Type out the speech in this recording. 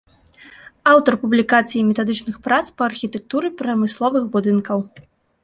Аўтар публікацый і метадычных прац па архітэктуры прамысловых будынкаў.